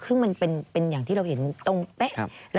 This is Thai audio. ซึ่งมันเป็นอย่างที่เราเห็นตรงเป๊ะ